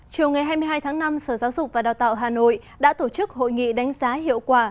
chiều ngày hai mươi hai tháng năm sở giáo dục và đào tạo hà nội đã tổ chức hội nghị đánh giá hiệu quả